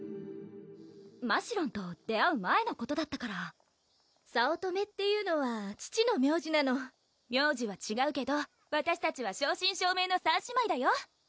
ましろんと出会う前のことだったから早乙女っていうのは父の名字なの名字はちがうけどわたしたちは正真正銘の３姉妹だよ